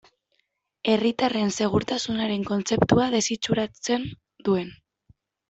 Herritarren segurtasunaren kontzeptua desitxuratzen duen.